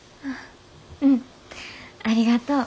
うんありがとう。